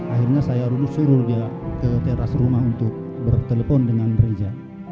akhirnya saya suruh dia ke teras rumah untuk bertelepon dengan gereja